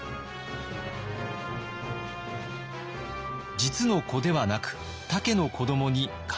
実の子ではなく他家の子どもに家督を譲る。